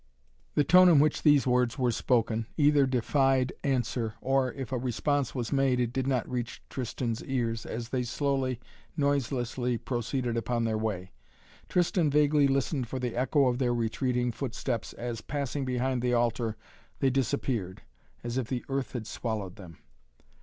The tone in which these words were spoken, either defied answer, or, if a response was made, it did not reach Tristan's ears as they slowly, noiselessly, proceeded upon their way. Tristan vaguely listened for the echo of their retreating footsteps as, passing behind the altar, they disappeared, as if the earth had swallowed them.